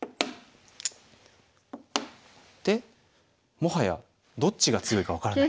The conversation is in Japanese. でもはやどっちが強いか分からない。